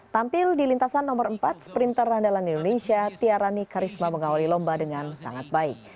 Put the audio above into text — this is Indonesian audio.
tampil di lintasan nomor empat sprinter andalan indonesia tiarani karisma mengawali lomba dengan sangat baik